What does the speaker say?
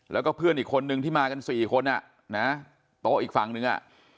แล้วก็เพื่อนอีกคนนึงที่มากัน๔คนโต๊ะอีกฝั่งนึงอ่ะ